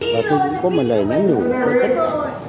và tôi cũng có một lời nhắn nhủ với tất cả